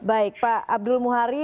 baik pak abdul muhari